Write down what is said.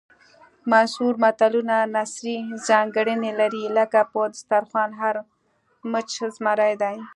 منثور متلونه نثري ځانګړنې لري لکه په دسترخوان هر مچ زمری دی